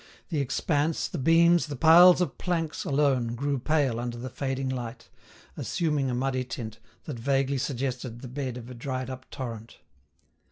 The expanse, the beams, the piles of planks alone grew pale under the fading light, assuming a muddy tint that vaguely suggested the bed of a dried up torrent.